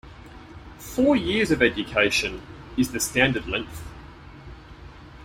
Four years of education is the standard length.